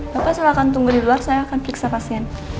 bapak silahkan tunggu di luar saya akan periksa pasien